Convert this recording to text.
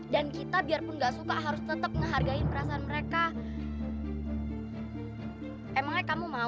dari tadi gue itu udah mencet mencet bel lo